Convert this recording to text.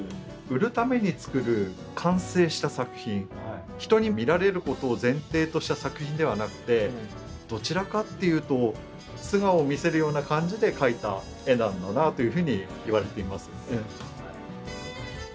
売るために作る完成した作品人に見られることを前提とした作品ではなくてどちらかっていうと素顔を見せるような感じで描いた絵なんだなというふうにいわれています。